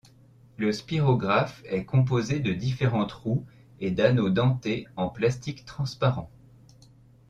Le spirographe est composé de différentes roues et d'anneaux dentés en plastique transparent.